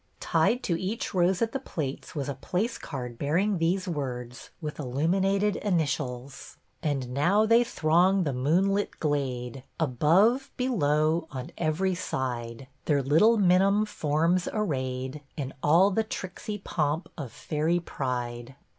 Tied to each rose at the plates was a place card bearing these words, with illumi nated initials, — 172 BETTY BAIRD And now they throng the moonlit glade, Above — below — on every side, Their little minim forms array'd In all the tricksy pomp of fairy pride.